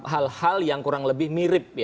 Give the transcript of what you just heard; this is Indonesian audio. hal hal yang kurang lebih mirip